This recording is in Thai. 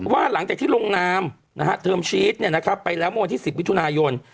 ว่าหลังจากที่ลงนามเทอมชีสไปแล้วโมงที่๑๐วิทยุนายน